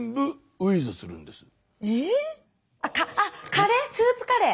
カレー？スープカレー！